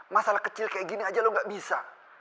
masalah kecil kayak gini aja lo gak bisa